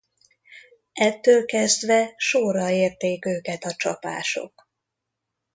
Ettől kezdve sorra érték őket a csapások.